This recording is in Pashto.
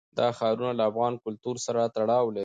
دا ښارونه له افغان کلتور سره تړاو لري.